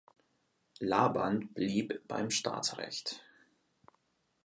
Laband blieb beim Staatsrecht.